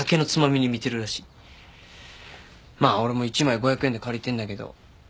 まあ俺も１枚５００円で借りてんだけど。